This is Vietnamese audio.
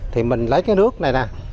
thì mình lấy cái nước này nè